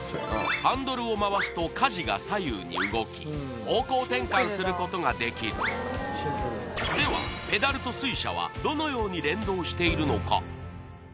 ハンドルを回すと舵が左右に動き方向転換することができるではペダルと水車はどのように連動しているのか？